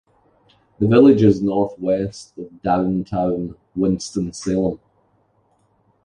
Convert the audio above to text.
The village is northwest of downtown Winston-Salem.